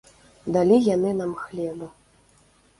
Далі яны нам хлеба.